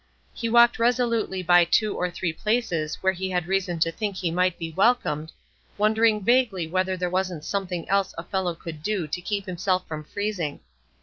He walked resolutely by two or three places where he had reason to think he might be welcomed, wondering vaguely whether there wasn't something else a fellow could do to keep himself from freezing.